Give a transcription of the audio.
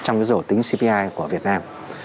trong cái rổ tính cpi của việt nam